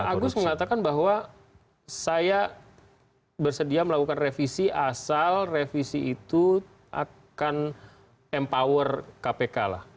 pak agus mengatakan bahwa saya bersedia melakukan revisi asal revisi itu akan empower kpk lah